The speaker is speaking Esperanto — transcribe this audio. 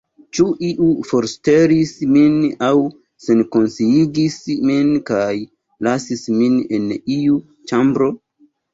Ĉu iu forŝtelis min aŭ senkonsciigis min kaj lasis min en iu ĉambro?